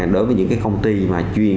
đối với những công ty chuyên